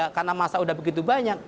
karena masa udah begitu banyak